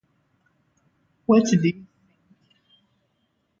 Unfortunately for Day, one of his assignments led him into conflict with the Punisher.